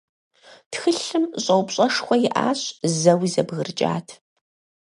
Тхылъым щӀэупщӀэшхуэ иӀащ, зэуи зэбгрыкӀат.